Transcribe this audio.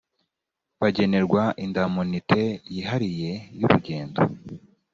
bagenerwa indamunite yihariye y urugendo